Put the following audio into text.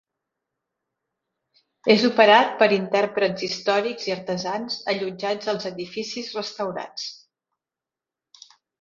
És operat per intèrprets històrics i artesans allotjats als edificis restaurats.